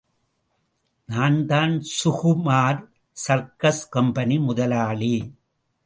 நான்தான் Sukumar circus company முதலாளி.